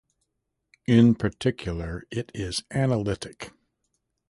In particular, it is analytic.